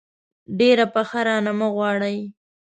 ډېره پخه رانه مه غواړئ.